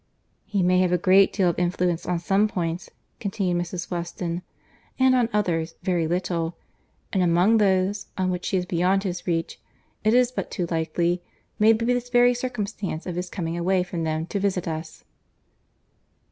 "He may have a great deal of influence on some points," continued Mrs. Weston, "and on others, very little: and among those, on which she is beyond his reach, it is but too likely, may be this very circumstance of his coming away from them to visit us."